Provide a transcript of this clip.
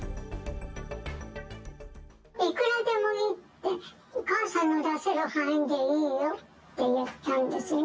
いくらでもいいって、母さんが出せる範囲でいいよって言ったんですね。